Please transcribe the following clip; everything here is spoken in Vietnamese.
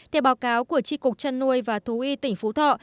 theo báo cáo của tri cục chăn nuôi và thú y tỉnh phú thọ